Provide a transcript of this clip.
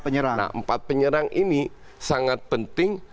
nah empat penyerang ini sangat penting